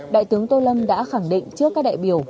đại tướng tô lâm đã khẳng định trước các đại biểu